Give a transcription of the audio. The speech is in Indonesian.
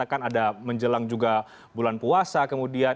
akan ada menjelang juga bulan puasa kemudian